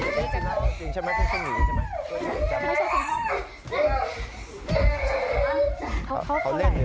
เก็บหนิ่งจีนค่ะหนิงฉันเหงียวใช่มั้ยไม่ใช่เหงียว